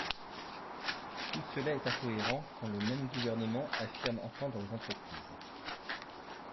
Tout cela est incohérent, quand le même gouvernement affirme entendre les entreprises.